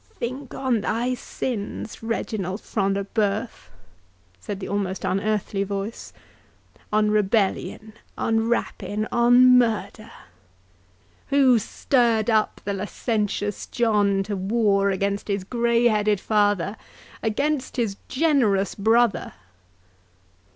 "Think on thy sins, Reginald Front de Bœuf," said the almost unearthly voice, "on rebellion, on rapine, on murder!—Who stirred up the licentious John to war against his grey headed father—against his generous brother?"